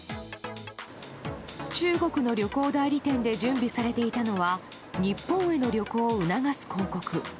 中国の旅行代理店で準備されていたのは日本への旅行を促す広告。